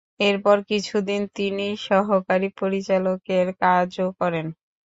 এরপর কিছুদিন তিনি সহকারী পরিচালকের কাজও করেন।